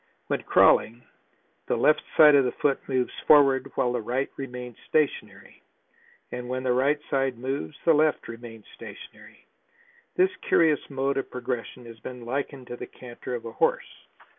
When crawling, the left side of the foot moves forward while the right remains stationary, and when the right side moves the left remains stationary. This curious mode of progression has been likened to the canter of a horse.